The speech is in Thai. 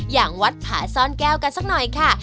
อย่างวัดผาซ่อนแก้วกันสักหน่อยค่ะ